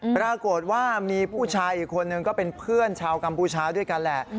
ปรากฏว่ามีผู้ชายอีกคนนึงก็เป็นเพื่อนชาวกัมพูชาด้วยกันแหละ